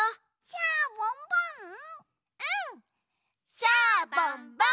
シャボンボン！